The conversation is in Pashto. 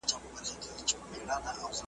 نن پخپله د ښکاري غشي ویشتلی .